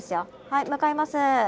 はい向かいます。